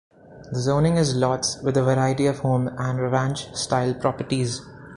The zoning is lots with a variety of home and ranch style properties.